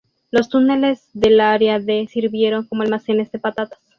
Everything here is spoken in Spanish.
Los túneles del área D sirvieron como almacenes de patatas.